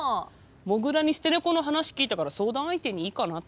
もぐらに捨てネコの話聞いたから相談相手にいいかなって。